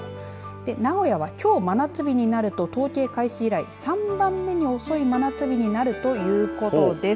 名古屋はきょう真夏日になると統計開始以来３番目に遅い真夏日になるということです。